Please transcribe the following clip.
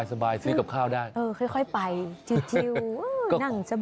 สบายซื้อกับข้าวได้เออค่อยไปชิวนั่งสบาย